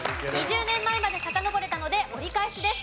２０年前までさかのぼれたので折り返しです。